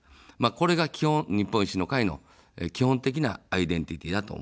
これが基本、日本維新の会の基本的なアイデンティティ−だと思います。